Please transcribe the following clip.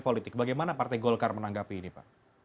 politik bagaimana partai golkar menanggapi ini pak